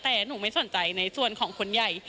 แต่หนูไม่สนใจในส่วนของคนใหญ่